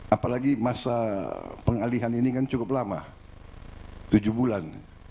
apalagi masa pengalihan ini kan cukup lama tujuh bulan